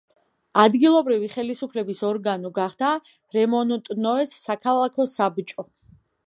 ადგილობრივი ხელისუფლების ორგანო გახდა რემონტნოეს საქალაქო საბჭო.